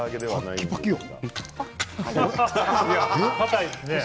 パッキパキよ。